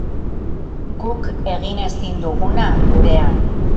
Guk egin ezin duguna gurean.